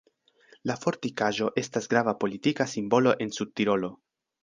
La fortikaĵo estas grava politika simbolo en Sudtirolo.